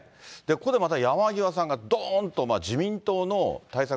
ここでまた山際さんがどーんと自民党の対策